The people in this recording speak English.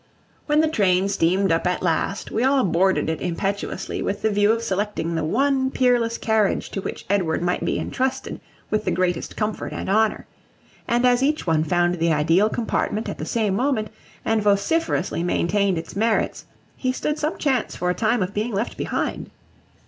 When the train steamed up at last, we all boarded it impetuously with the view of selecting the one peerless carriage to which Edward might be intrusted with the greatest comfort and honour; and as each one found the ideal compartment at the same moment, and vociferously maintained its merits, he stood some chance for a time of being left behind.